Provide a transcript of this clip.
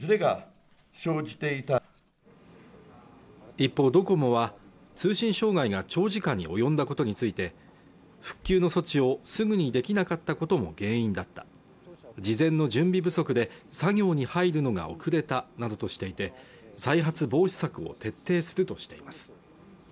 一方ドコモは通信障害が長時間に及んだことについて復旧の措置をすぐにできなかったことも原因だった事前の準備不足で作業に入るのが遅れたなどとしていて再発防止策を徹底するとしています